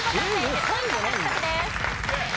１０ポイント獲得です。